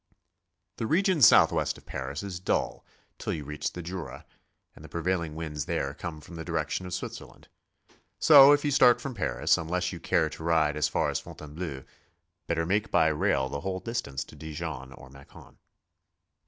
The region southwest of Paris is dull till you reach the Jura, and the prevailing winds there come from the direction of Switzerland. So if you start from Paris, unless you care to ride as far as Fontainebleau, better make by rail the whole distance to Dijon or Macon.